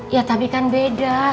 ya tapi kan beda